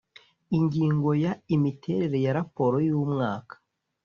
ingingo ya imiterere ya raporo y umwaka